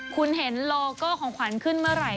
คุณเห็นโลโก้ของขวัญขึ้นเมื่อไหร่